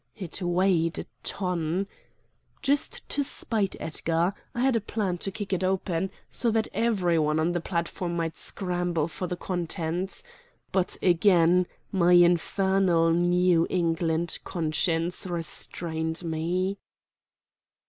It weighed a ton. Just to spite Edgar, I had a plan to kick it open, so that every one on the platform might scramble for the contents. But again my infernal New England conscience restrained me.